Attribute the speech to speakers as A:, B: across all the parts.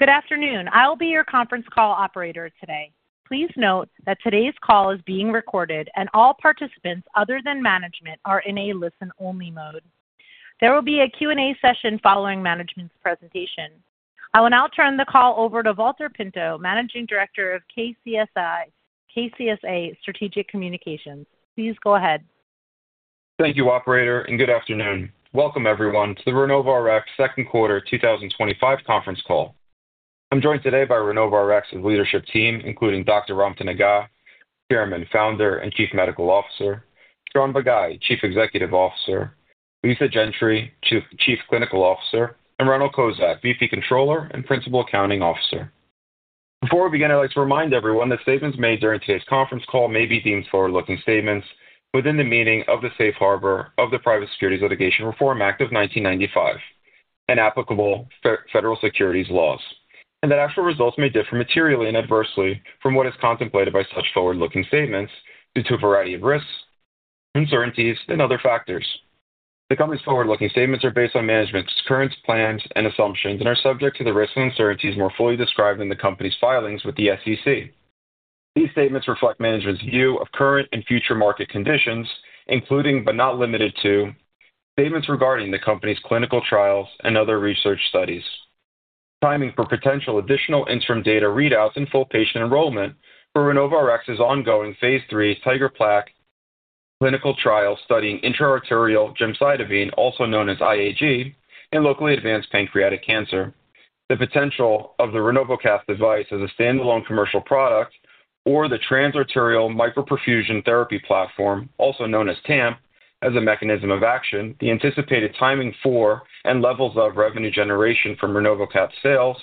A: Good afternoon. I will be your conference call operator today. Please note that today's call is being recorded, and all participants other than management are in a listen-only mode. There will be a Q&A session following management's presentation. I will now turn the call over to Valter Pinto, Managing Director of KCSA Strategic Communications. Please go ahead.
B: Thank you, Operator, and good afternoon. Welcome, everyone, to the RenovoRx Second Quarter 2025 Conference Call. I'm joined today by RenovoRx's leadership team, including Dr. Ramtin Agah, Chairman, Founder and Chief Medical Officer; Shaun Bagai, Chief Executive Officer; Leesa Gentry, Chief Clinical Officer; and Ronald B. Kocak, Vice President, Controller and Principal Accounting Officer. Before we begin, I'd like to remind everyone that statements made during today's conference call may be deemed forward-looking statements within the meaning of the Safe Harbor of the Private Securities Litigation Reform Act of 1995 and applicable federal securities laws, and that actual results may differ materially and adversely from what is contemplated by such forward-looking statements due to a variety of risks, uncertainties, and other factors. The company's forward-looking statements are based on management's current plans and assumptions and are subject to the risks and uncertainties more fully described in the company's filings with the SEC. These statements reflect management's view of current and future market conditions, including but not limited to statements regarding the company's clinical trials and other research studies, timing for potential additional interim data readouts, and full patient enrollment for RenovoRx's ongoing phase II TIGeR-PaC clinical trial studying intra-arterial gemcitabine, also known as IAG, in locally advanced pancreatic cancer. The potential of the RenovoCath device as a standalone commercial product or the Transarterial Microperfusion (TAMP) therapy platform, also known as TAMP, as a mechanism of action, the anticipated timing for and levels of revenue generation from RenovoCath's sales,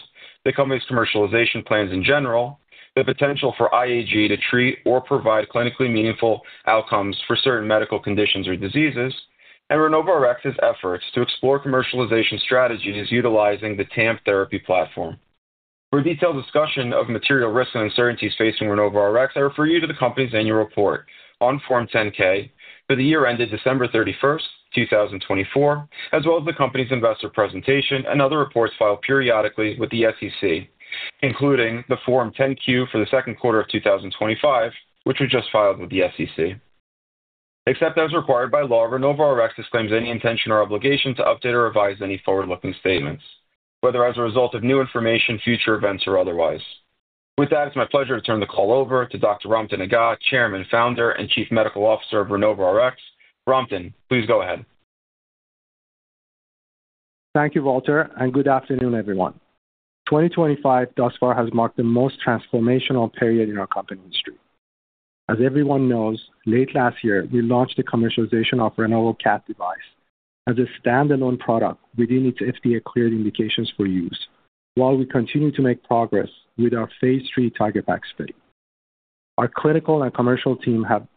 B: the company's commercialization plans in general, the potential for IAG to treat or provide clinically meaningful outcomes for certain medical conditions or diseases, and RenovoRx's efforts to explore commercialization strategies utilizing the TAMP therapy platform. For a detailed discussion of material risks and uncertainties facing RenovoRx, I refer you to the company's annual report on Form 10-K for the year ended December 31, 2024, as well as the company's investor presentation and other reports filed periodically with the SEC, including the Form 10-Q for the second quarter of 2025, which was just filed with the SEC. Except as required by law, RenovoRx disclaims any intention or obligation to update or revise any forward-looking statements, whether as a result of new information, future events, or otherwise. With that, it's my pleasure to turn the call over to Dr. Ramtin Agah, Chairman, Founder and Chief Medical Officer of RenovoRx. Ramtin, please go ahead.
C: Thank you, Valter, and good afternoon, everyone. 2025 thus far has marked the most transformational period in our company history. As everyone knows, late last year, we launched the commercialization of RenovoCath device. As a standalone product, we didn't need two FDA-cleared indications for use, while we continue to make progress with our phase III TIGeR-PaC study. Our clinical and commercial team have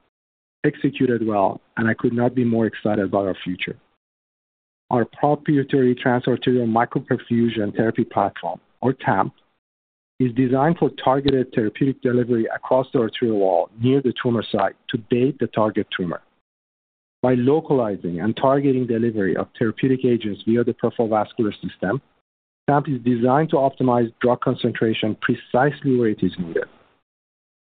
C: executed well, and I could not be more excited about our future. Our proprietary Transarterial Microperfusion (TAMP) therapy platform, or TAMP, is designed for targeted therapeutic delivery across the arterial wall near the tumor site to bathe the target tumor. By localizing and targeting delivery of therapeutic agents via the peripheral vascular system, TAMP is designed to optimize drug concentration precisely where it is needed.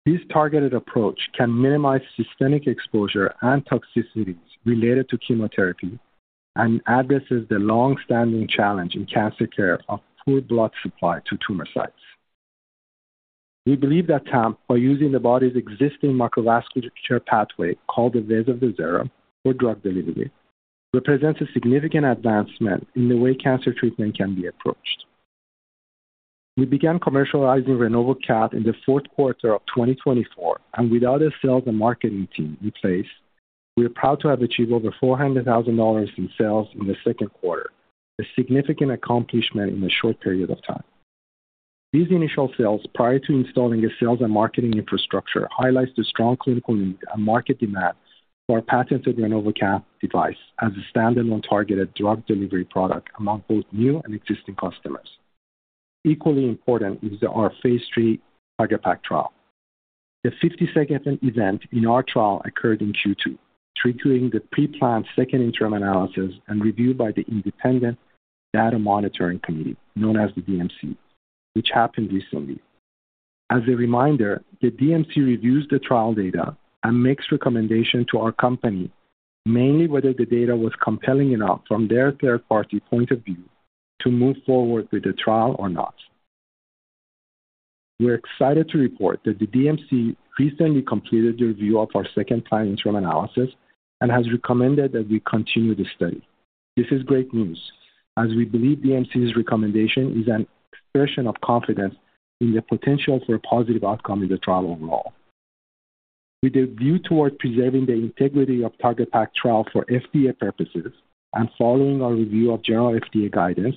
C: This targeted approach can minimize systemic exposure and toxicities related to chemotherapy and addresses the longstanding challenge in cancer care of poor blood supply to tumor sites. We believe that TAMP, by using the body's existing microvascular pathway called the vasa vasorum, for drug delivery, represents a significant advancement in the way cancer treatment can be approached. We began commercializing RenovoCath in the fourth quarter of 2024, and with all the sales the marketing team placed, we are proud to have achieved over $400,000 in sales in the second quarter, a significant accomplishment in a short period of time. These initial sales, prior to installing the sales and marketing infrastructure, highlight the strong clinical need and market demand for a patented RenovoCath device as a standalone targeted drug delivery product among both new and existing customers. Equally important is our phase III TIGeR-PaC trial. The 52nd event in our trial occurred in Q2, triggering the pre-planned second interim analysis and review by the Independent Data Monitoring Committee, known as the DMC, which happened recently. As a reminder, the DMC reviews the trial data and makes recommendations to our company, mainly whether the data was compelling enough from their third-party point of view to move forward with the trial or not. We are excited to report that the DMC recently completed the review of our second planned interim analysis and has recommended that we continue the study. This is great news, as we believe the DMC's recommendation is an expression of confidence in the potential for a positive outcome in the trial overall. With a view toward preserving the integrity of the TIGeR-PaC trial for FDA purposes and following our review of general FDA guidance,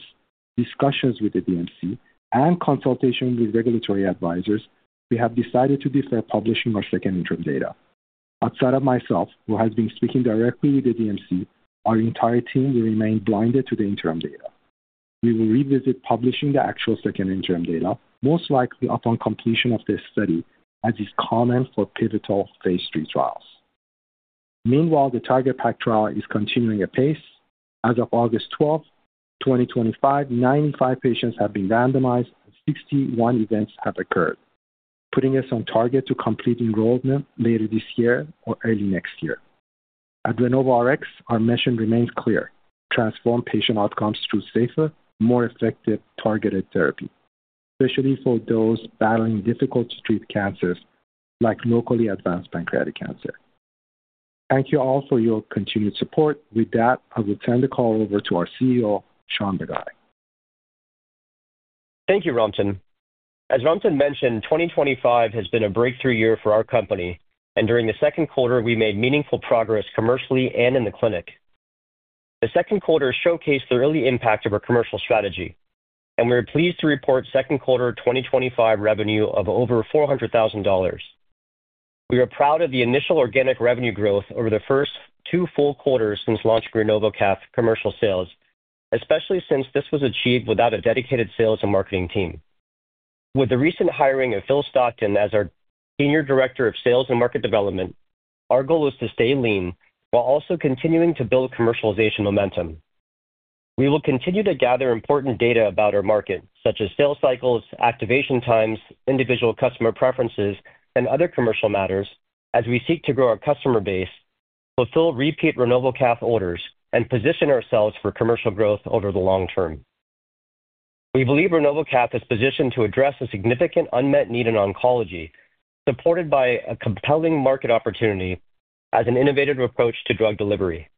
C: discussions with the Independent Data Monitoring Committee (DMC), and consultation with regulatory advisors, we have decided to defer publishing our second interim data. Outside of myself, who has been speaking directly to the DMC, our entire team will remain blinded to the interim data. We will revisit publishing the actual second interim data, most likely upon completion of this study, as is common for pivotal phase III trials. Meanwhile, the TIGeR-PaC trial is continuing at pace. As of August 12, 2025, 95 patients have been randomized, 61 events have occurred, putting us on target to complete enrollment later this year or early next year. At RenovoRx, our mission remains clear: transform patient outcomes through safer, more effective targeted therapy, especially for those battling difficult-to-treat cancers like locally advanced pancreatic cancer. Thank you all for your continued support. With that, I will turn the call over to our CEO, Shaun Bagai.
D: Thank you, Ramtin. As Ramtin mentioned, 2025 has been a breakthrough year for our company, and during the second quarter, we made meaningful progress commercially and in the clinic. The second quarter showcased the early impact of our commercial strategy, and we are pleased to report second quarter 2025 revenue of over $400,000. We are proud of the initial organic revenue growth over the first two full quarters since launching RenovoCath commercial sales, especially since this was achieved without a dedicated sales and marketing team. With the recent hiring of Phil Stockton as our Senior Director of Sales and Market Development, our goal is to stay lean while also continuing to build commercialization momentum. We will continue to gather important data about our market, such as sales cycles, activation times, individual customer preferences, and other commercial matters as we seek to grow our customer base, fulfill repeat RenovoCath orders, and position ourselves for commercial growth over the long term. We believe RenovoCath is positioned to address a significant unmet need in oncology, supported by a compelling market opportunity as an innovative approach to drug delivery.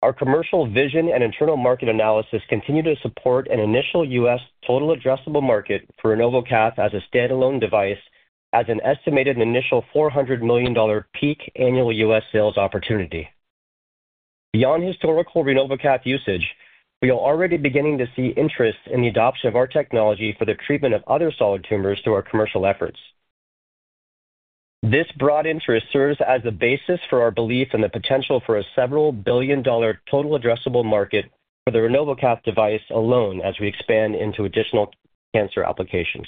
D: Our commercial vision and internal market analysis continue to support an initial U.S. total addressable market for RenovoCath as a standalone device, as an estimated initial $400 million peak annual U.S. sales opportunity. Beyond historical RenovoCath usage, we are already beginning to see interest in the adoption of our technology for the treatment of other solid tumors through our commercial efforts. This broad interest serves as the basis for our belief in the potential for a several billion dollar total addressable market for the RenovoCath device alone as we expand into additional cancer applications.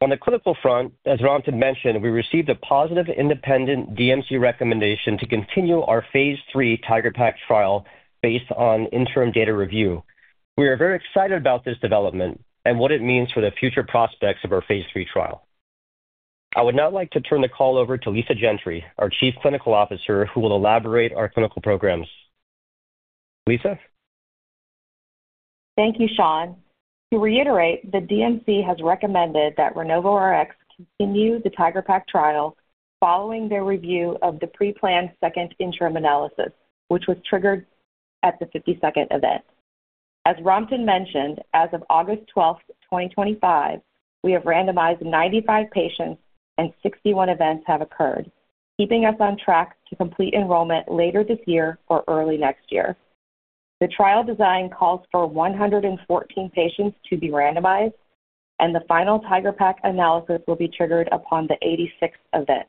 D: On the clinical front, as Ramtin mentioned, we received a positive independent DMC recommendation to continue our phase III TIGeR-PaC trial based on interim data review. We are very excited about this development and what it means for the future prospects of our phase III trial. I would now like to turn the call over to Leesa Gentry, our Chief Clinical Officer, who will elaborate on our clinical programs. Leesa.
E: Thank you, Shaun. To reiterate, the Independent Data Monitoring Committee (DMC) has recommended that RenovoRx continue the TIGeR-PaC trial following their review of the pre-planned second interim analysis, which was triggered at the 52nd event. As Ramtin mentioned, as of August 12th, 2025, we have randomized 95 patients and 61 events have occurred, keeping us on track to complete enrollment later this year or early next year. The trial design calls for 114 patients to be randomized, and the final TIGeR-PaC analysis will be triggered upon the 86th event.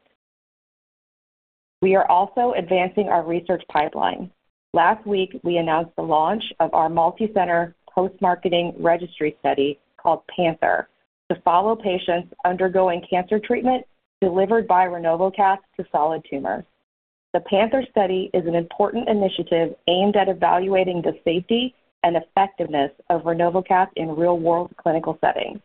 E: We are also advancing our research pipeline. Last week, we announced the launch of our multicenter post-marketing registry study called PanTheR to follow patients undergoing cancer treatment delivered by RenovoCath to solid tumors. The PanTheR study is an important initiative aimed at evaluating the safety and effectiveness of RenovoCath in real-world clinical settings.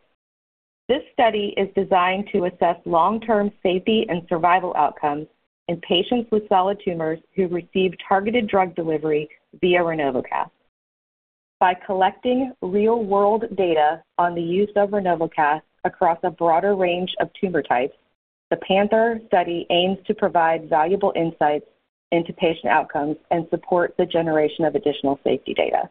E: This study is designed to assess long-term safety and survival outcomes in patients with solid tumors who receive targeted drug delivery via RenovoCath. By collecting real-world data on the use of RenovoCath across a broader range of tumor types, the PanTheR study aims to provide valuable insights into patient outcomes and support the generation of additional safety data.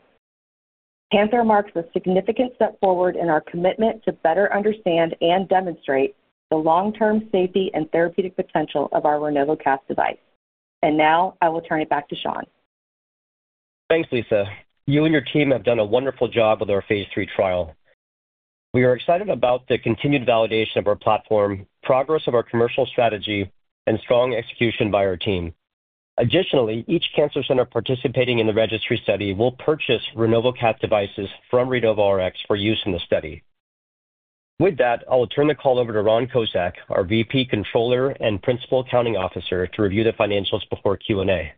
E: PanTheR marks a significant step forward in our commitment to better understand and demonstrate the long-term safety and therapeutic potential of our RenovoCath device. I will turn it back to Shaun.
D: Thanks, Leesa. You and your team have done a wonderful job with our phase III trial. We are excited about the continued validation of our platform, progress of our commercial strategy, and strong execution by our team. Additionally, each cancer center participating in the registry study will purchase RenovoCath devices from RenovoRx for use in the study. With that, I'll turn the call over to Ronald Kocak, our VP, Controller and Principal Accounting Officer, to review the financials before Q&A.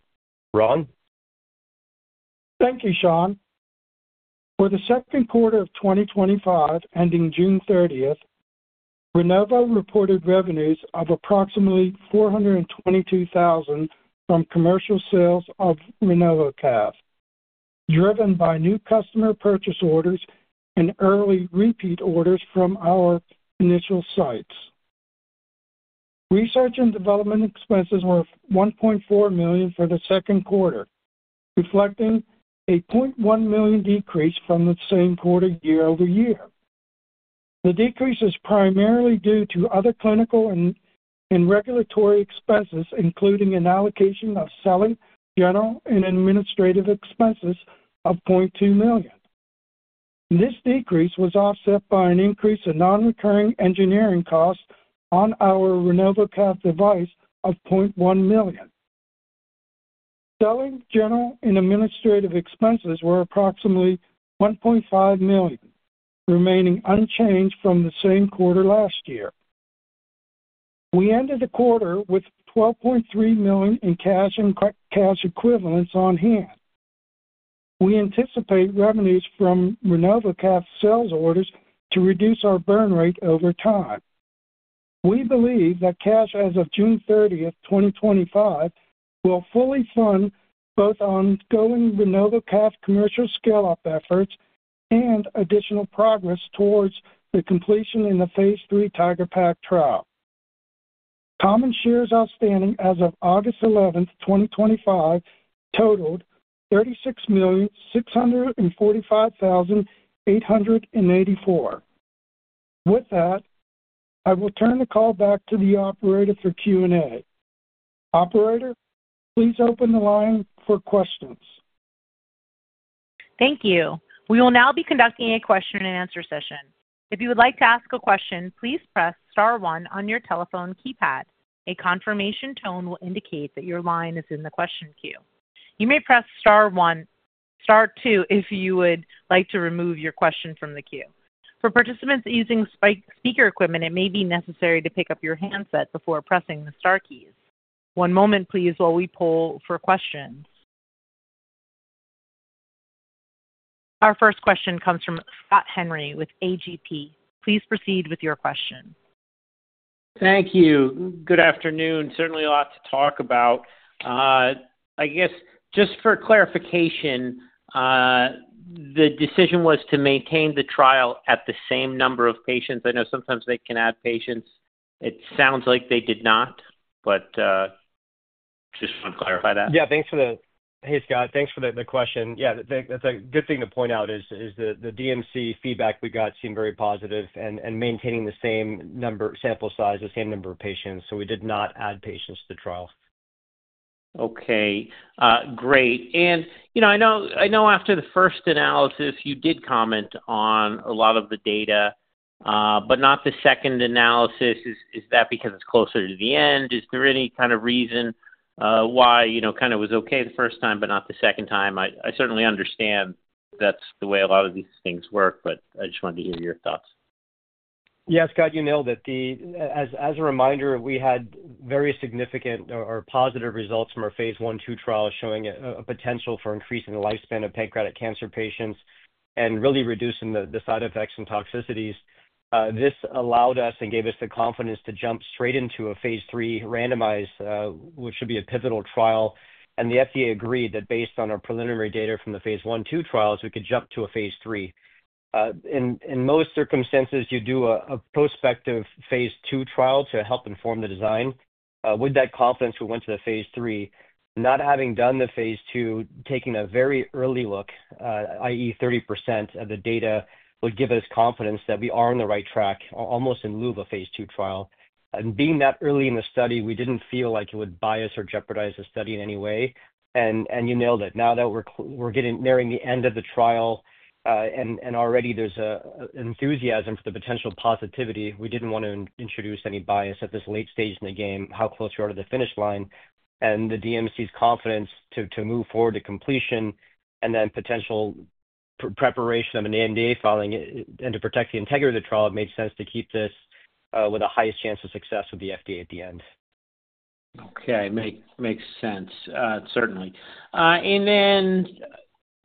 D: Ron.
F: Thank you, Shaun. For the second quarter of 2025, ending June 30th, RenovoRx reported revenues of approximately $422,000 from commercial sales of RenovoCath, driven by new customer purchase orders and early repeat orders from our initial sites. Research and development expenses were $1.4 million for the second quarter, reflecting a $0.1 million decrease from the same quarter year-over-year. The decrease is primarily due to other clinical and regulatory expenses, including an allocation of selling, general, and administrative expenses of $0.2 million. This decrease was offset by an increase in non-recurring engineering costs on our RenovoCath device of $0.1 million. Selling, general, and administrative expenses were approximately $1.5 million, remaining unchanged from the same quarter last year. We ended the quarter with $12.3 million in cash and cash equivalents on hand. We anticipate revenues from RenovoCath sales orders to reduce our burn rate over time. We believe that cash as of June 30th, 2025, will fully fund both ongoing RenovoCath commercial scale-up efforts and additional progress towards the completion in the phase III TIGeR-PaC trial. Common shares outstanding as of August 11th, 2025, totaled 36,645,884. With that, I will turn the call back to the Operator for Q&A. Operator, please open the line for questions.
A: Thank you. We will now be conducting a question-and-answer session. If you would like to ask a question, please press star one on your telephone keypad. A confirmation tone will indicate that your line is in the question queue. You may press star two if you would like to remove your question from the queue. For participants using speaker equipment, it may be necessary to pick up your handset before pressing the star keys. One moment, please, while we poll for questions. Our first question comes from Scott Henry with A.G.P. Please proceed with your question.
G: Thank you. Good afternoon. Certainly a lot to talk about. I guess just for clarification, the decision was to maintain the trial at the same number of patients. I know sometimes they can add patients. It sounds like they did not, but just to clarify that.
D: Yeah, thanks for the—hey, Scott. Thanks for the question. That's a good thing to point out is the DMC feedback we got seemed very positive and maintaining the same number, sample size, the same number of patients. We did not add patients to the trial.
G: Okay. Great. I know after the first analysis, you did comment on a lot of the data, but not the second analysis. Is that because it's closer to the end? Is there any kind of reason why it was okay the first time, but not the second time? I certainly understand that's the way a lot of these things work, but I just wanted to hear your thoughts.
D: Yeah, Scott, you nailed it. As a reminder, we had very significant or positive results from our phase I/II trial showing a potential for increasing the lifespan of pancreatic cancer patients and really reducing the side effects and toxicities. This allowed us and gave us the confidence to jump straight into a phase III randomized, which would be a pivotal trial. The FDA agreed that based on our preliminary data from the phase I/II trials, we could jump to a phase III. In most circumstances, you do a prospective phase II trial to help inform the design. With that confidence, we went to the phase III. Not having done the phase II, taking a very early look, i.e., 30% of the data would give us confidence that we are on the right track, almost in lieu of a phase II trial. Being that early in the study, we didn't feel like it would bias or jeopardize the study in any way. You nailed it. Now that we're nearing the end of the trial and already there's an enthusiasm for the potential positivity, we didn't want to introduce any bias at this late stage in the game, how close we are to the finish line and the DMC's confidence to move forward to completion and then potential preparation of an AMA filing. To protect the integrity of the trial, it made sense to keep this with the highest chance of success with the FDA at the end.
G: Okay, it makes sense, certainly.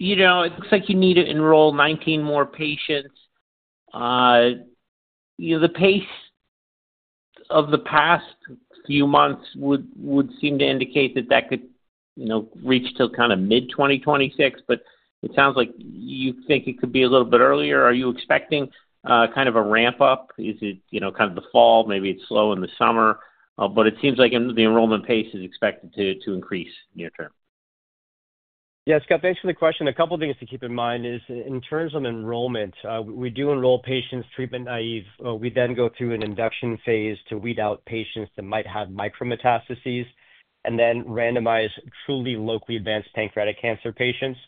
G: You know it looks like you need to enroll 19 more patients. The pace of the past few months would seem to indicate that that could reach till kind of mid-2026, but it sounds like you think it could be a little bit earlier. Are you expecting kind of a ramp-up? Is it kind of the fall? Maybe it's slow in the summer, but it seems like the enrollment pace is expected to increase near term.
D: Yeah, Scott, thanks for the question. A couple of things to keep in mind is in terms of enrollment, we do enroll patients treatment-naive. We then go through an induction phase to weed out patients that might have micrometastases and then randomize truly locally advanced pancreatic cancer patients.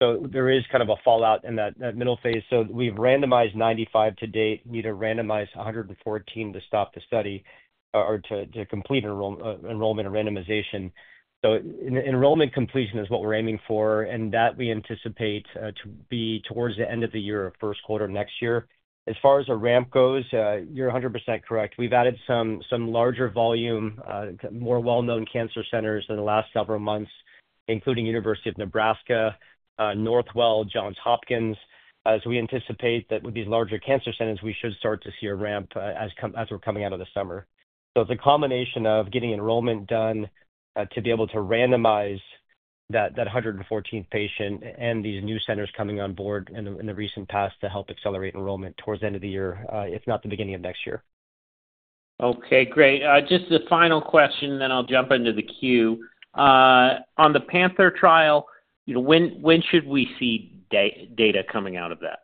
D: There is kind of a fallout in that middle phase. We've randomized 95 to date, need to randomize 114 to stop the study or to complete enrollment and randomization. Enrollment completion is what we're aiming for, and that we anticipate to be towards the end of the year, first quarter next year. As far as a ramp goes, you're 100% correct. We've added some larger volume, more well-known cancer centers in the last several months, including University of Nebraska, Northwell, Johns Hopkins. We anticipate that with these larger cancer centers, we should start to see a ramp as we're coming out of the summer. It's a combination of getting enrollment done to be able to randomize that 114th patient and these new centers coming on board in the recent past to help accelerate enrollment towards the end of the year, if not the beginning of next year.
G: Okay, great. Just the final question, and then I'll jump into the queue. On the PanTheR trial, you know when should we see data coming out of that?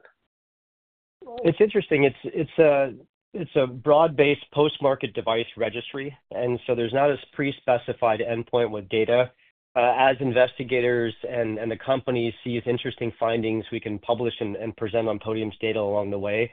D: It's interesting. It's a broad-based post-market device registry, and so there's not a pre-specified endpoint with data. As investigators and the company see interesting findings, we can publish and present on podium data along the way.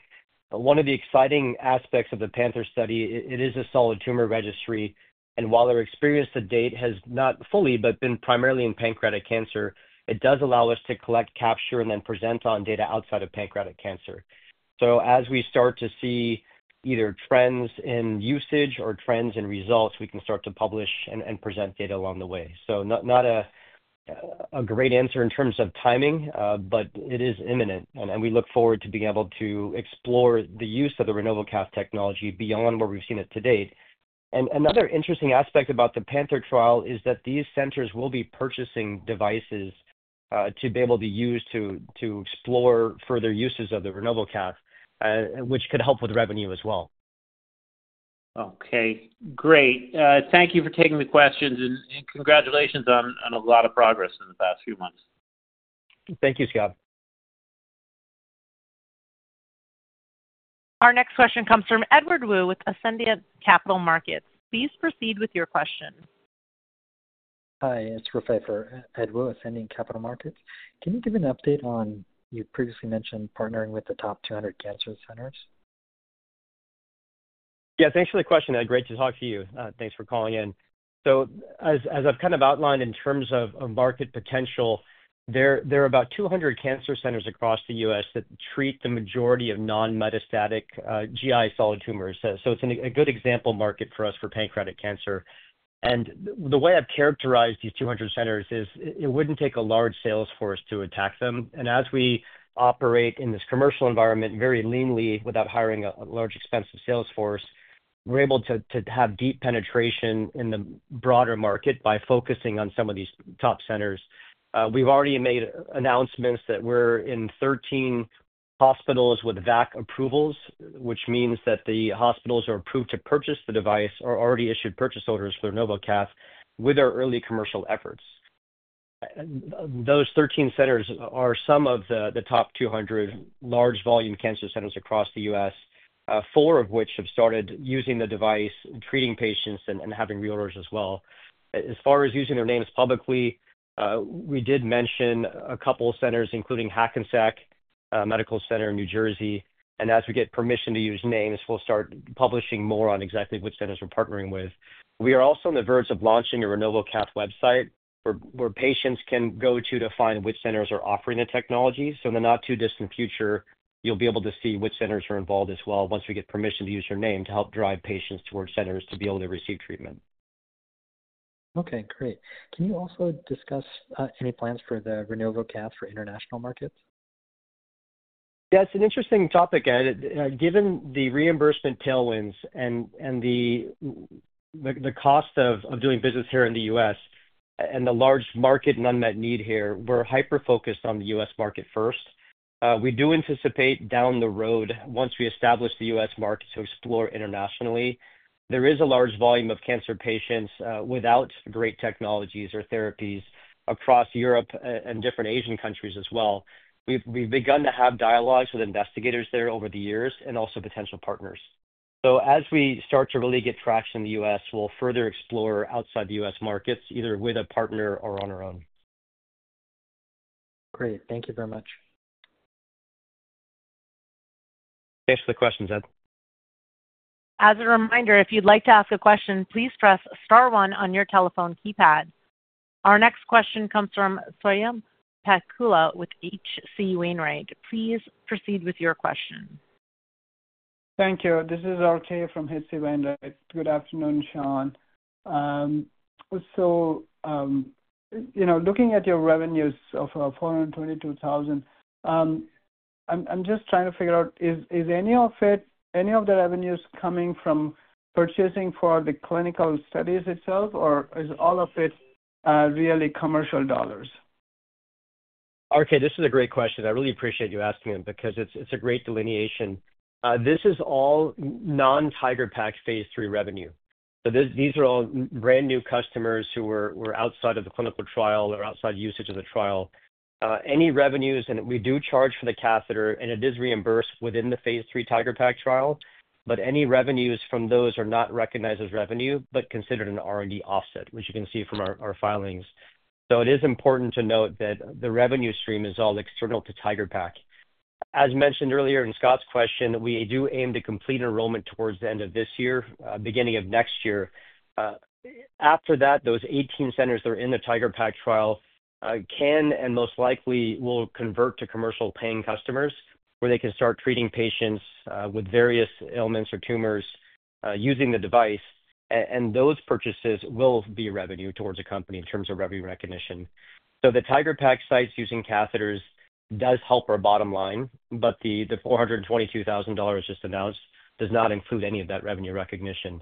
D: One of the exciting aspects of the PanTheR study, it is a solid tumor registry. While our experience to date has not fully, but been primarily in pancreatic cancer, it does allow us to collect, capture, and then present on data outside of pancreatic cancer. As we start to see either trends in usage or trends in results, we can start to publish and present data along the way. Not a great answer in terms of timing, but it is imminent, and we look forward to being able to explore the use of the RenovoCath technology beyond where we've seen it to date. Another interesting aspect about the PanTheR trial is that these centers will be purchasing devices to be able to use to explore further uses of the RenovoCath, which could help with revenue as well.
G: Okay, great. Thank you for taking the questions, and congratulations on a lot of progress in the past few months.
D: Thank you, Scott.
A: Our next question comes from Edward Wu with Ascendiant Capital Markets. Please proceed with your question.
H: Hi, it's Rafay for Ed Wu Ascendiant Capital Markets. Can you give an update on your previously mentioned partnering with the top 200 cancer centers?
D: Yeah, thanks for the question. Great to talk to you. Thanks for calling in. As I've kind of outlined in terms of market potential, there are about 200 cancer centers across the U.S. that treat the majority of non-metastatic GI solid tumors. It's a good example market for us for pancreatic cancer. The way I've characterized these 200 centers is it wouldn't take a large sales force to attack them. As we operate in this commercial environment very leanly without hiring a large, expensive sales force, we're able to have deep penetration in the broader market by focusing on some of these top centers. We've already made announcements that we're in 13 hospitals with VAC approvals, which means that the hospitals who are approved to purchase the device have already issued purchase orders for RenovoCath with our early commercial efforts. Those 13 centers are some of the top 200 large volume cancer centers across the U.S., four of which have started using the device, treating patients, and having reorders as well. As far as using their names publicly, we did mention a couple of centers, including Hackensack Medical Center in New Jersey. As we get permission to use names, we'll start publishing more on exactly which centers we're partnering with. We are also on the verge of launching a RenovoCath website where patients can go to find which centers are offering the technology. In the not-too-distant future, you'll be able to see which centers are involved as well once we get permission to use your name to help drive patients towards centers to be able to receive treatment.
H: Okay, great. Can you also discuss any plans for the RenovoCath for international markets?
D: Yeah, it's an interesting topic. Given the reimbursement tailwinds and the cost of doing business here in the U.S. and the large market and unmet need here, we're hyper-focused on the U.S. market first. We do anticipate down the road, once we establish the U.S. market, to explore internationally. There is a large volume of cancer patients without great technologies or therapies across Europe and different Asian countries as well. We've begun to have dialogues with investigators there over the years and also potential partners. As we start to really get traction in the U.S., we'll further explore outside the U.S. markets, either with a partner or on our own.
H: Great. Thank you very much.
D: Thanks for the questions, Ed.
A: As a reminder, if you'd like to ask a question, please press star one on your telephone keypad. Our next question comes from Swayampakula with HC Wainwright. Please proceed with your question.
I: Thank you. This is RK from HC Wainwright. Good afternoon, Shaun. Looking at your revenues of $422,000, I'm just trying to figure out, is any of the revenues coming from purchasing for the clinical studies itself, or is all of it really commercial dollars?
D: RK, this is a great question. I really appreciate you asking it because it's a great delineation. This is all non-TIGeR-PaC phase III revenue. These are all brand new customers who were outside of the clinical trial or outside usage of the trial. Any revenues, and we do charge for the catheter, and it is reimbursed within the phase III TIGeR-PaC trial, but any revenues from those are not recognized as revenue, but considered an R&D offset, which you can see from our filings. It is important to note that the revenue stream is all external to TIGeR-PaC. As mentioned earlier in Scott's question, we do aim to complete enrollment towards the end of this year, beginning of next year. After that, those 18 centers that are in the TIGeR-PaC trial can and most likely will convert to commercial paying customers where they can start treating patients with various ailments or tumors using the device, and those purchases will be revenue towards a company in terms of revenue recognition. The TIGeR-PaC sites using catheters do help our bottom line, but the $422,000 just announced does not include any of that revenue recognition.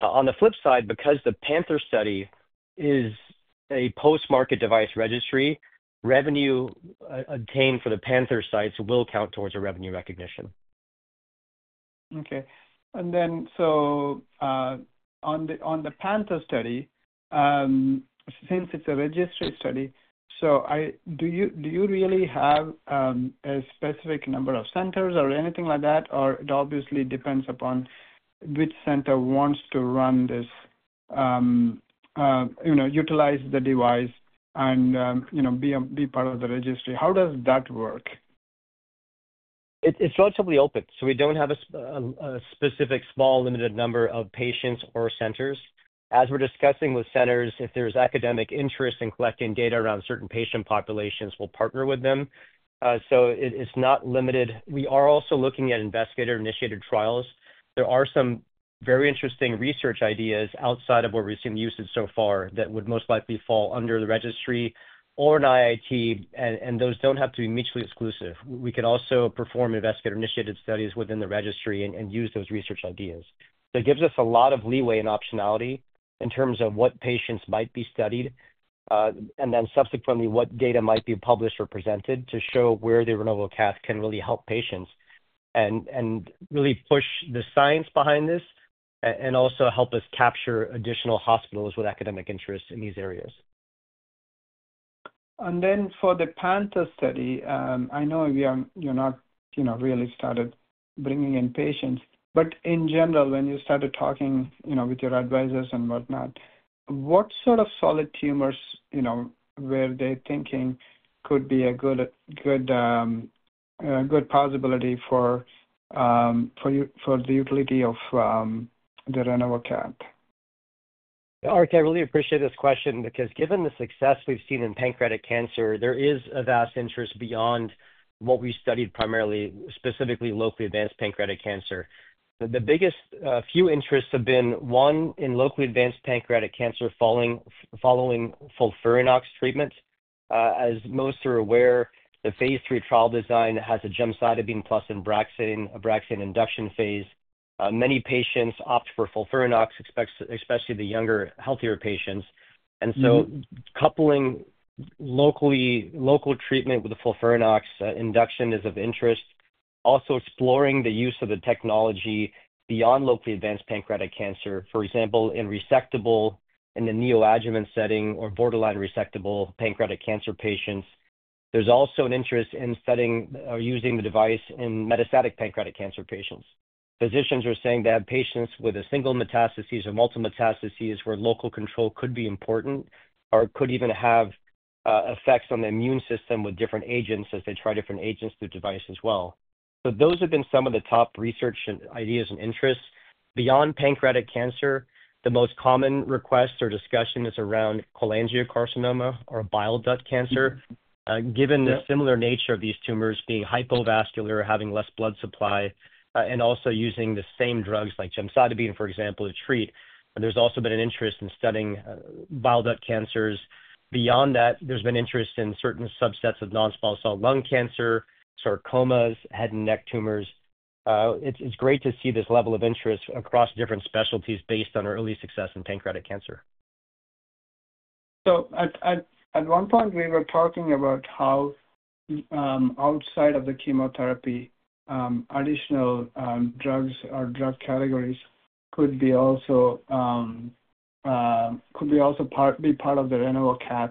D: On the flip side, because the PanTheR registry study is a post-market device registry, revenue obtained for the PanTheR sites will count towards a revenue recognition.
I: Okay. On the PanTheR study, do you really have a specific number of centers or anything like that? It obviously depends upon which center wants to run this, utilize the device, and be part of the registry. How does that work?
D: It's relatively open. We don't have a specific small limited number of patients or centers. As we're discussing with centers, if there's academic interest in collecting data around certain patient populations, we'll partner with them. It's not limited. We are also looking at investigator-initiated trials. There are some very interesting research ideas outside of where we've seen the usage so far that would most likely fall under the registry or an IIT, and those don't have to be mutually exclusive. We could also perform investigator-initiated studies within the registry and use those research ideas. It gives us a lot of leeway and optionality in terms of what patients might be studied, and then subsequently what data might be published or presented to show where the RenovoCath can really help patients and really push the science behind this and also help us capture additional hospitals with academic interest in these areas.
I: For the PanTheR study, I know you're not really started bringing in patients, but in general, when you started talking with your advisors and whatnot, what sort of solid tumors, you know, where they're thinking could be a good possibility for the utility of the RenovoCath?
D: I really appreciate this question because given the success we've seen in pancreatic cancer, there is a vast interest beyond what we studied primarily, specifically locally advanced pancreatic cancer. The biggest few interests have been one in locally advanced pancreatic cancer following FOLFIRINOX treatments. As most are aware, the phase III clinical trial design has a gemcitabine plus Abraxane induction phase. Many patients opt for FOLFIRINOX, especially the younger, healthier patients. Coupling local treatment with the FOLFIRINOX induction is of interest. Also, exploring the use of the technology beyond locally advanced pancreatic cancer, for example, in resectable in the neoadjuvant setting or borderline resectable pancreatic cancer patients. There is also an interest in studying or using the device in metastatic pancreatic cancer patients. Physicians are saying they have patients with a single metastasis or multiple metastases where local control could be important or could even have effects on the immune system with different agents as they try different agents through the device as well. Those have been some of the top research and ideas and interests. Beyond pancreatic cancer, the most common requests or discussion is around cholangiocarcinoma or bile duct cancer. Given the similar nature of these tumors being hypovascular, having less blood supply, and also using the same drugs like gemcitabine, for example, to treat, there has also been an interest in studying bile duct cancers. Beyond that, there has been interest in certain subsets of non-small cell lung cancer, sarcomas, head and neck tumors. It's great to see this level of interest across different specialties based on early success in pancreatic cancer.
I: At one point, we were talking about how outside of the chemotherapy, additional drugs or drug categories could be also part of the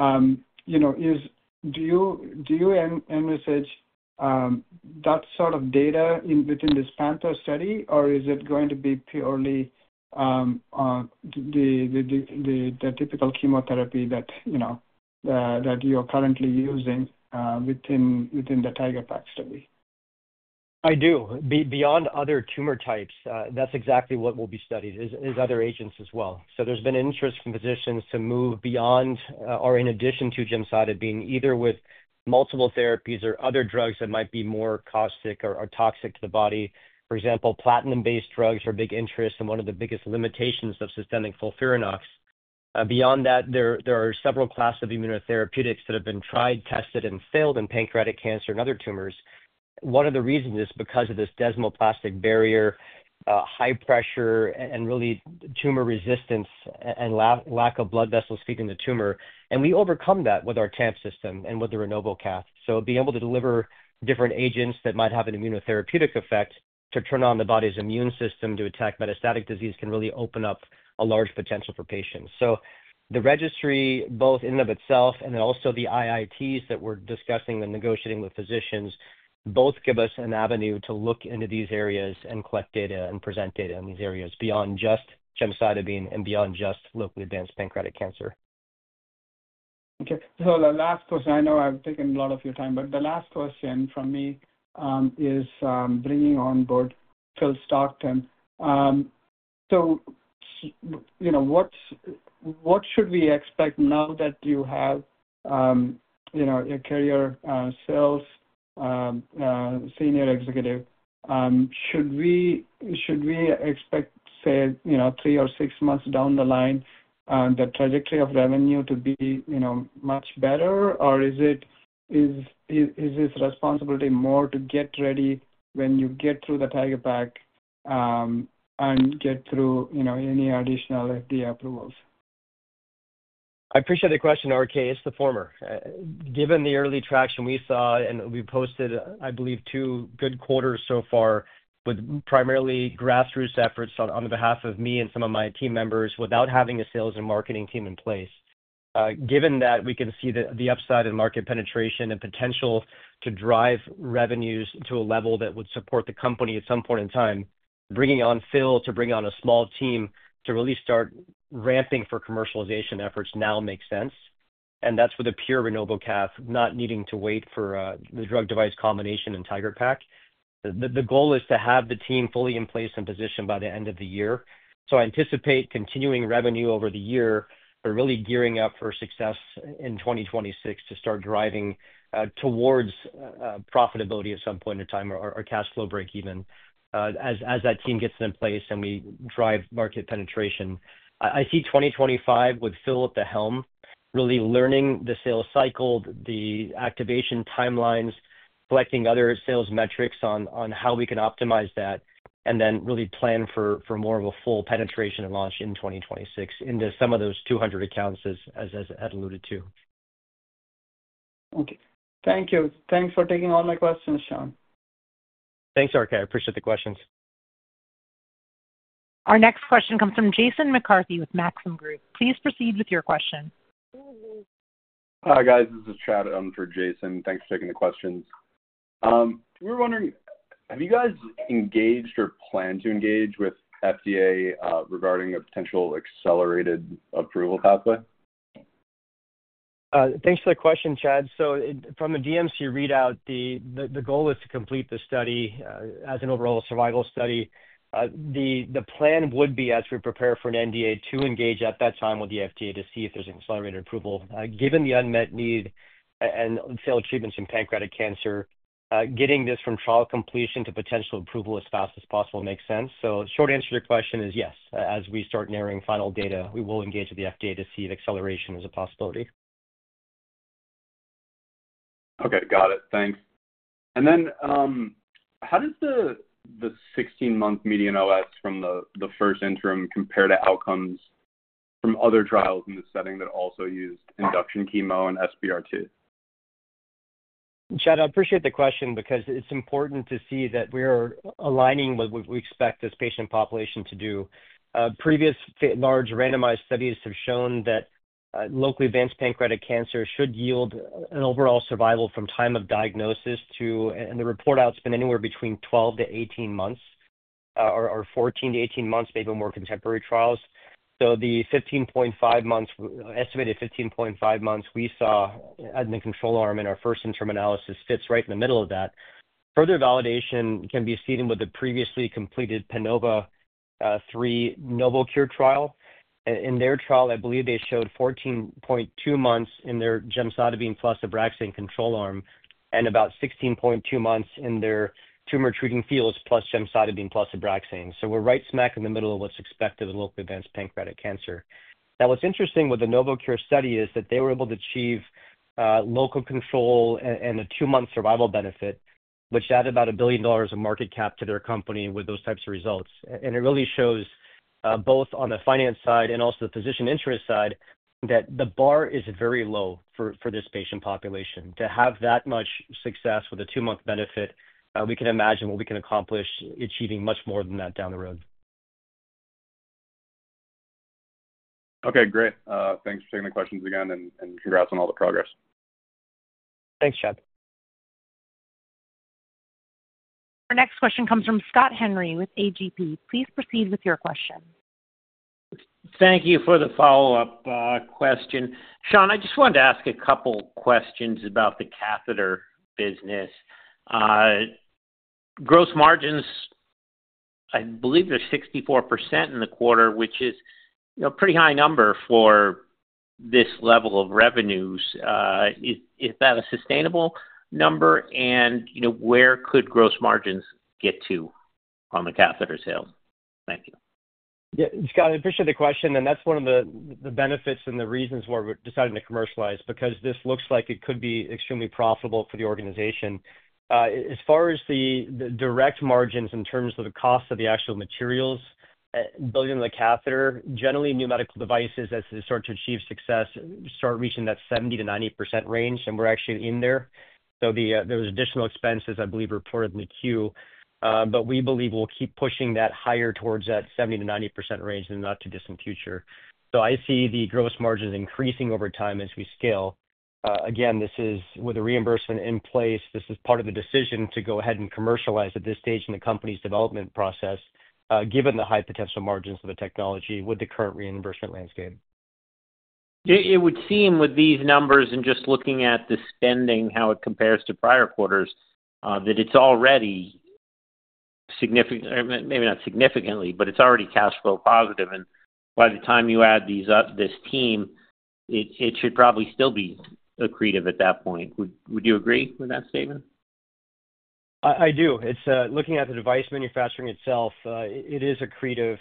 I: RenovoCath. Do you envisage that sort of data within this PanTheR study, or is it going to be purely the typical chemotherapy that you are currently using within the TIGeR-PaC study?
D: I do. Beyond other tumor types, that's exactly what will be studied is other agents as well. There's been interest from physicians to move beyond or in addition to gemcitabine, either with multiple therapies or other drugs that might be more caustic or toxic to the body. For example, platinum-based drugs are a big interest and one of the biggest limitations of systemic FOLFIRINOX. There are several classes of immunotherapeutics that have been tried, tested, and failed in pancreatic cancer and other tumors. One of the reasons is because of this desmoplastic barrier, high pressure, and really tumor resistance and lack of blood vessels feeding the tumor. We overcome that with our TAMP system therapy platform and with the RenovoCath. Being able to deliver different agents that might have an immunotherapeutic effect to turn on the body's immune system to attack metastatic disease can really open up a large potential for patients. The registry, both in and of itself, and also the IITs that we're discussing and negotiating with physicians, both give us an avenue to look into these areas and collect data and present data in these areas beyond just gemcitabine and beyond just locally advanced pancreatic cancer.
I: Okay. The last question, I know I've taken a lot of your time, but the last question from me is bringing onboard Phil Stockton. What should we expect now that you have your career sales Senior Executive? Should we expect, say, three or six months down the line, the trajectory of revenue to be much better, or is this responsibility more to get ready when you get through the TIGeR-PaC and get through any additional FDA approvals?
D: I appreciate the question, RK. It's the former. Given the early traction we saw, and we posted, I believe, two good quarters so far with primarily grassroots efforts on the behalf of me and some of my team members without having a sales and marketing team in place. Given that we can see the upside in market penetration and potential to drive revenues to a level that would support the company at some point in time, bringing on Phil to bring on a small team to really start ramping for commercialization efforts now makes sense. That's with a pure RenovoCath, not needing to wait for the drug-device combination in TIGeR-PaC. The goal is to have the team fully in place and positioned by the end of the year. I anticipate continuing revenue over the year and really gearing up for success in 2026 to start driving towards profitability at some point in time or cash flow break even as that team gets in place and we drive market penetration. I see 2025 with Phil at the helm, really learning the sales cycle, the activation timelines, collecting other sales metrics on how we can optimize that, and then really plan for more of a full penetration and launch in 2026 into some of those 200 accounts as I had alluded to.
I: Okay. Thank you. Thanks for taking all my questions, Shaun.
D: Thanks, RK. I appreciate the questions.
A: Our next question comes from Jason McCarthy with Maxim Group. Please proceed with your question.
J: Hi, guys. This is Chad for Jason. Thanks for taking the questions. We were wondering, have you guys engaged or plan to engage with FDA regarding a potential accelerated approval pathway?
D: Thanks for the question, Chad. From the DMC readout, the goal is to complete the study as an overall survival study. The plan would be, as we prepare for an NDA, to engage at that time with the FDA to see if there's an accelerated approval. Given the unmet need and failed treatments in pancreatic cancer, getting this from trial completion to potential approval as fast as possible makes sense. The short answer to your question is yes. As we start narrowing final data, we will engage with the FDA to see if acceleration is a possibility.
J: Okay, got it. Thanks. How does the 16-month median OS from the first interim compare to outcomes from other trials in the setting that also used induction chemo and SBRT?
D: Chad, I appreciate the question because it's important to see that we are aligning with what we expect this patient population to do. Previous large randomized studies have shown that locally advanced pancreatic cancer should yield an overall survival from time of diagnosis to, and the report out's been anywhere between 12-18 months or 14-18 months, maybe more contemporary trials. The 15.5 months, estimated 15.5 months we saw in the control arm in our first interim analysis fits right in the middle of that. Further validation can be seen with the previously completed PANOVA-3 Novocure trial. In their trial, I believe they showed 14.2 months in their gemcitabine plus Abraxane control arm and about 16.2 months in their tumor treating fields plus gemcitabine plus Abraxane. We're right smack in the middle of what's expected of locally advanced pancreatic cancer. What's interesting with the Novocure study is that they were able to achieve local control and a two-month survival benefit, which added about $1 billion of market cap to their company with those types of results. It really shows both on the finance side and also the physician interest side that the bar is very low for this patient population. To have that much success with a two-month benefit, we can imagine what we can accomplish achieving much more than that down the road.
J: Okay, great. Thanks for taking the questions again and congrats on all the progress.
D: Thanks, Chad.
A: Our next question comes from Scott Henry with A.G.P. Please proceed with your question.
G: Thank you for the follow-up question. Shaun, I just wanted to ask a couple of questions about the catheter business. Gross margins, I believe they're 64% in the quarter, which is a pretty high number for this level of revenues. Is that a sustainable number? Where could gross margins get to on the catheter sales? Thank you.
D: Yeah, Scott, I appreciate the question. That's one of the benefits and the reasons why we're deciding to commercialize because this looks like it could be extremely profitable for the organization. As far as the direct margins in terms of the cost of the actual materials building the catheter, generally, new medical devices, as they start to achieve success, start reaching that 70%-90% range, and we're actually in there. There are additional expenses, I believe, reported in the queue. We believe we'll keep pushing that higher towards that 70%-90% range in the not-too-distant future. I see the gross margins increasing over time as we scale. This is with a reimbursement in place. This is part of the decision to go ahead and commercialize at this stage in the company's development process, given the high potential margins of the technology with the current reimbursement landscape.
G: It would seem with these numbers and just looking at the spending, how it compares to prior quarters, that it's already significant, maybe not significantly, but it's already cash flow positive. By the time you add this team, it should probably still be accretive at that point. Would you agree with that statement?
D: I do. It's looking at the device manufacturing itself, it is accretive.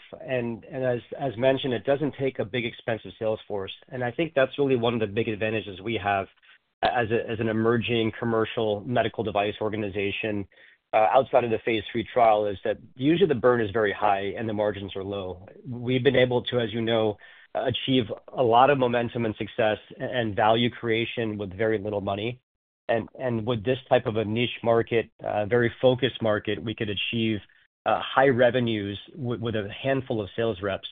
D: As mentioned, it doesn't take a big expense of sales force. I think that's really one of the big advantages we have as an emerging commercial medical device organization outside of the phase III trial is that usually the burn is very high and the margins are low. We've been able to, as you know, achieve a lot of momentum and success and value creation with very little money. With this type of a niche market, very focused market, we could achieve high revenues with a handful of sales reps.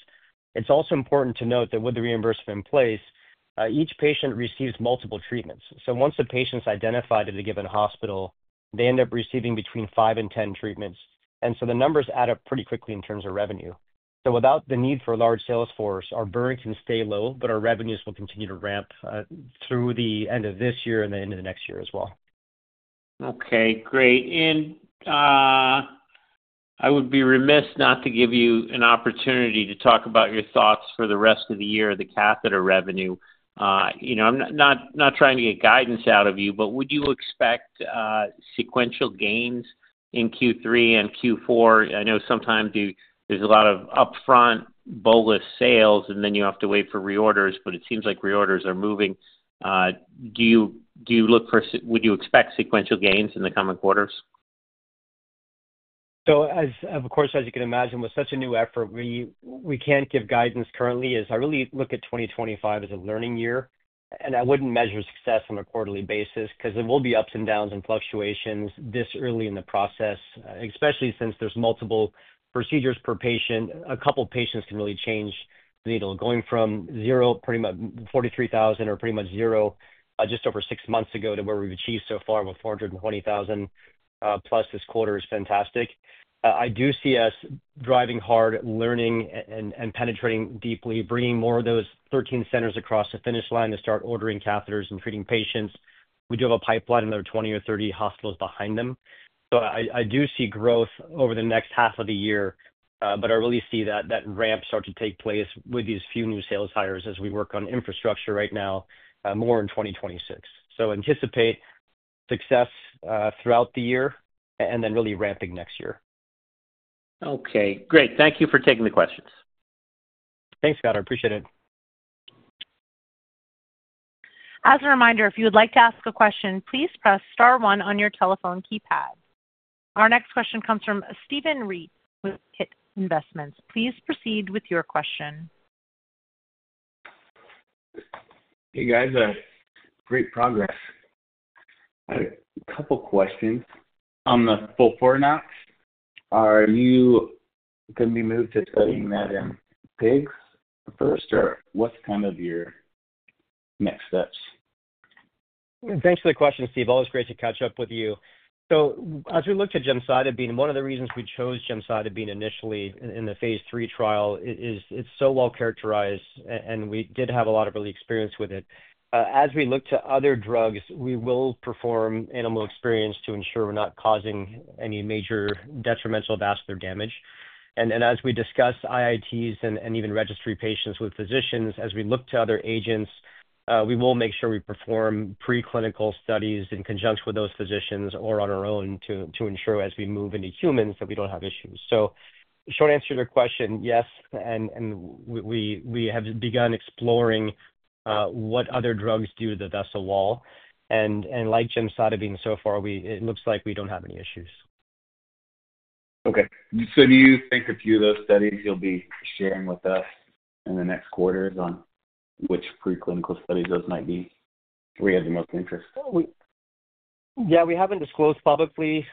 D: It's also important to note that with the reimbursement in place, each patient receives multiple treatments. Once a patient's identified at a given hospital, they end up receiving between five and ten treatments. The numbers add up pretty quickly in terms of revenue. Without the need for a large sales force, our burn can stay low, but our revenues will continue to ramp through the end of this year and the end of the next year as well.
G: Okay, great. I would be remiss not to give you an opportunity to talk about your thoughts for the rest of the year of the catheter revenue. I'm not trying to get guidance out of you, but would you expect sequential gains in Q3 and Q4? I know sometimes there's a lot of upfront bolus sales, and then you have to wait for reorders, but it seems like reorders are moving. Do you look for, would you expect sequential gains in the coming quarters?
D: Of course, as you can imagine, with such a new effort, we can't give guidance currently as I really look at 2025 as a learning year. I wouldn't measure success on a quarterly basis because there will be ups and downs and fluctuations this early in the process, especially since there's multiple procedures per patient. A couple of patients can really change the needle. Going from pretty much $43,000 or pretty much zero just over six months ago to where we've achieved so far with $420,000 plus this quarter is fantastic. I do see us driving hard, learning, and penetrating deeply, bringing more of those 13 centers across the finish line to start ordering catheters and treating patients. We do have a pipeline of another 20 or 30 hospitals behind them.I do see growth over the next half of the year, but I really see that ramp start to take place with these few new sales hires as we work on infrastructure right now, more in 2026. I anticipate success throughout the year and then really ramping next year.
G: Okay, great. Thank you for taking the questions.
D: Thanks, Scott. I appreciate it.
A: As a reminder, if you would like to ask a question, please press star one on your telephone keypad. Our next question comes from Stephen Reed with Pitt Investments. Please proceed with your question.
K: Hey, guys. Great progress. I have a couple of questions on the FOLFIRINOX. Are you going to be moved to putting that in PanTheR first, or what's kind of your next steps?
D: Thanks for the question, Steve. Always great to catch up with you. As we look to gemcitabine, one of the reasons we chose gemcitabine initially in the phase III clinical trial is it's so well characterized, and we did have a lot of early experience with it. As we look to other drugs, we will perform animal experience to ensure we're not causing any major detrimental vascular damage. As we discuss IITs and even registry patients with physicians, as we look to other agents, we will make sure we perform preclinical studies in conjunction with those physicians or on our own to ensure as we move into humans that we don't have issues. Short answer to your question, yes. We have begun exploring what other drugs do to the vessel wall. Like gemcitabine so far, it looks like we don't have any issues.
K: Okay. Do you think a few of those studies you'll be sharing with us in the next quarters on which preclinical studies those might be where you have the most interest?
D: Yeah, we haven't disclosed publicly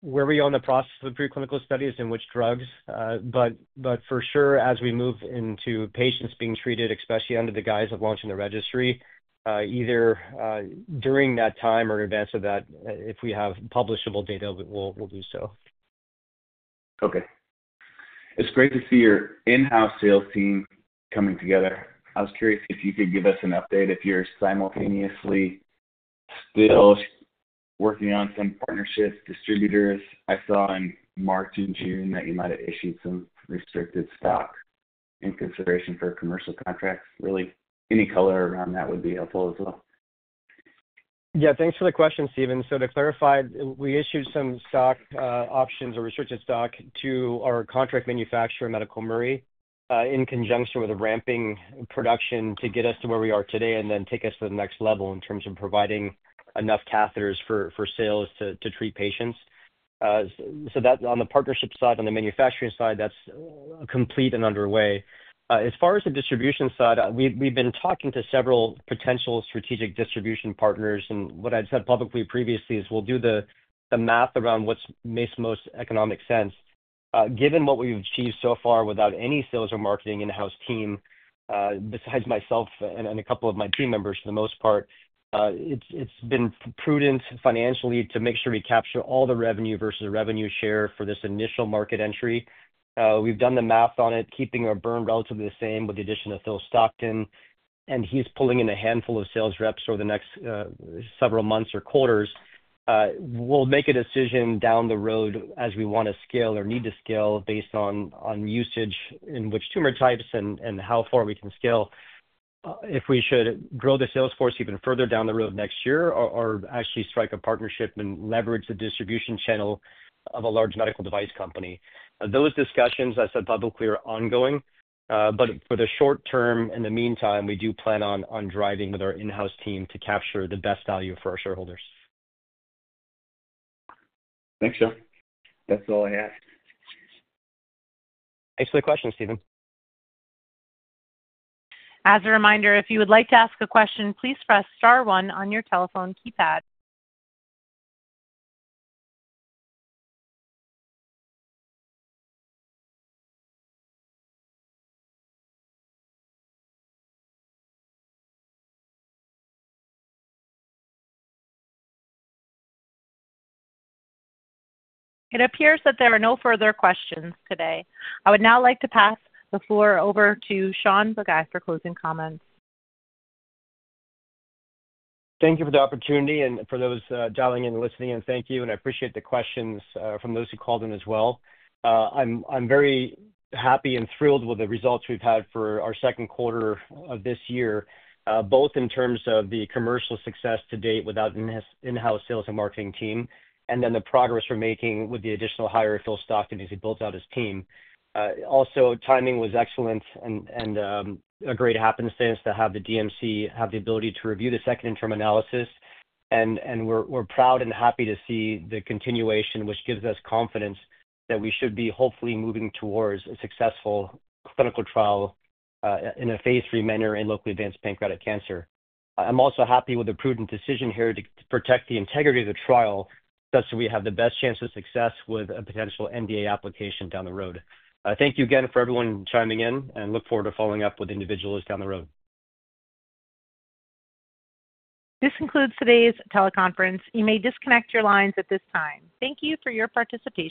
D: where we are in the process of the preclinical studies and which drugs, but for sure, as we move into patients being treated, especially under the guise of launching the registry, either during that time or in advance of that, if we have publishable data, we'll do so.
K: Okay. It's great to see your in-house sales team coming together. I was curious if you could give us an update if you're simultaneously still working on some partnerships, distributors. I saw in March and June that you might have issued some restricted stock in consideration for commercial contracts. Really, any color around that would be helpful as well.
D: Yeah, thanks for the question, Stephen. To clarify, we issued some stock options or restricted stock to our contract manufacturer, Medical Murray, in conjunction with ramping production to get us to where we are today and then take us to the next level in terms of providing enough catheters for sales to treat patients. That's on the partnership side. On the manufacturing side, that's complete and underway. As far as the distribution side, we've been talking to several potential strategic distribution partners. What I've said publicly previously is we'll do the math around what makes most economic sense. Given what we've achieved so far without any sales or marketing in-house team, besides myself and a couple of my team members for the most part, it's been prudent financially to make sure we capture all the revenue versus revenue share for this initial market entry. We've done the math on it, keeping our burn relatively the same with the addition of Phil Stockton. He's pulling in a handful of sales reps over the next several months or quarters. We'll make a decision down the road as we want to scale or need to scale based on usage in which tumor types and how far we can scale. If we should grow the sales force even further down the road next year or actually strike a partnership and leverage the distribution channel of a large medical device company, those discussions, as I said publicly, are ongoing. For the short term, in the meantime, we do plan on driving with our in-house team to capture the best value for our shareholders.
K: Thanks, Shaun. That's all I have.
D: Thanks for the question, Stephen.
A: As a reminder, if you would like to ask a question, please press star one on your telephone keypad. It appears that there are no further questions today. I would now like to pass the floor over to Shaun Bagai for closing comments.
D: Thank you for the opportunity and for those dialing in and listening. Thank you, and I appreciate the questions from those who called in as well. I'm very happy and thrilled with the results we've had for our second quarter of this year, both in terms of the commercial success to date without an in-house sales and marketing team, and the progress we're making with the additional hire of Phil Stockton as he builds out his team. Also, timing was excellent and a great happenstance to have the DMC have the ability to review the second interim analysis. We're proud and happy to see the continuation, which gives us confidence that we should be hopefully moving towards a successful clinical trial in a phase III manner in locally advanced pancreatic cancer. I'm also happy with the prudent decision here to protect the integrity of the trial just so we have the best chance of success with a potential NDA application down the road. Thank you again for everyone chiming in, and I look forward to following up with individuals down the road.
A: This concludes today's teleconference. You may disconnect your lines at this time. Thank you for your participation.